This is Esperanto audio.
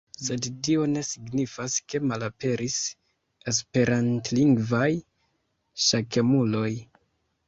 Sed tio ne signifas ke malaperis esperantlingvaj ŝakemuloj.